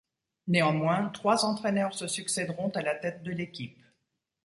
Néanmoins, trois entraîneurs se succéderont à la tête de l'équipe.